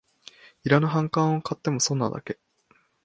いらぬ反感を買っても損なだけ